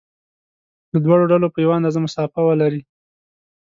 له دواړو ډلو په یوه اندازه مسافه ولري.